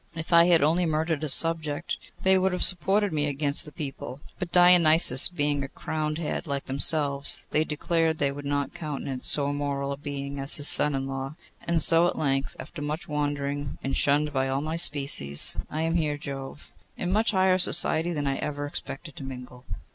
If I had only murdered a subject, they would have supported me against the people; but Deioneus being a crowned head, like themselves, they declared they would not countenance so immoral a being as his son in law. And so, at length, after much wandering, and shunned by all my species, I am here, Jove, in much higher society than I ever expected to mingle.